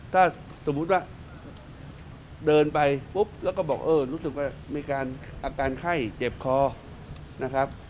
ถ้าสมมติว่าเดินไปปุ๊ฟแล้วก็รู้สึกว่ามีอาการไข้เจ็บคอ